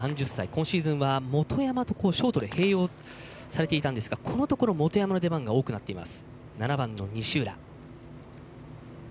８年目、３０歳今シーズンは元山とショートで併用されていましたがこのところ元山の出番のほうが多くなっています。